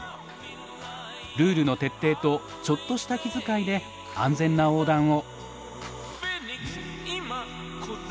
ルールの徹底とちょっとした気遣いで安全な横断を。